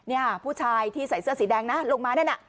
นี่ผู้ชายที่ใส่เสื้อสีแดงนะลงมานั่นน่ะ